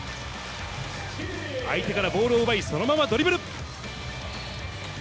相手からボールを奪い、そのままドリブル。